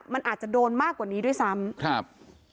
มันอาจจะโดนมากกว่านี้ด้วยซ้ำครับ